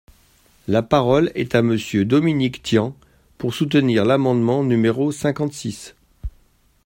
La parole est à Monsieur Dominique Tian, pour soutenir l’amendement numéro cinquante-six.